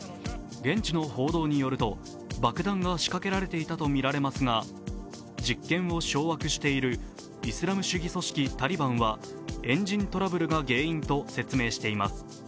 現地の報道によると、爆弾が仕掛けられていたとみられますが、実権を掌握しているイスラム主義組織タリバンはエンジントラブルが原因と説明しています。